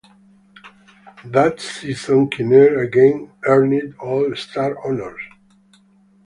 That season Kinnear again earned All Star honors.